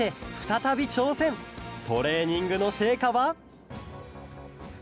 トレーニングのせいかは？